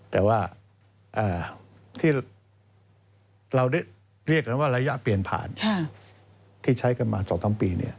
แต่ว่าที่เราได้เรียกกันว่าระยะเปลี่ยนผ่านที่ใช้กันมา๒๓ปี